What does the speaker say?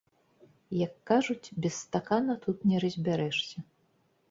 Як кажуць, без стакана тут не разбярэшся.